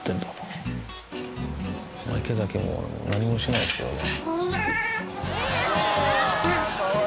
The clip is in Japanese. まぁ池崎も何もしないですけどね。